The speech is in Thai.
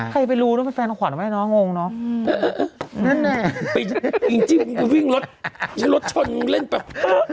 ใครไปรู้ว่าเป็นแฟนของขวัญไหมน้องงเนาะ